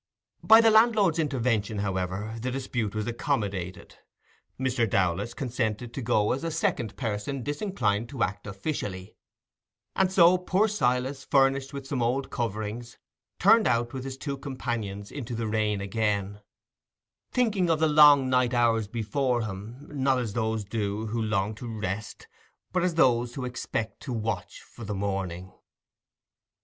By the landlord's intervention, however, the dispute was accommodated. Mr. Dowlas consented to go as a second person disinclined to act officially; and so poor Silas, furnished with some old coverings, turned out with his two companions into the rain again, thinking of the long night hours before him, not as those do who long to rest, but as those who expect to "watch for the morning".